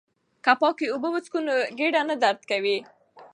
که پاکې اوبه وڅښو نو ګېډه نه درد کوي.